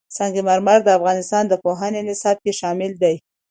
سنگ مرمر د افغانستان د پوهنې نصاب کې شامل دي.